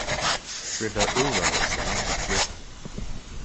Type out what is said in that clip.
River Ouro is the longest river.